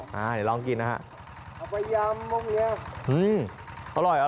อ่าเดี๋ยวลองกินนะฮะ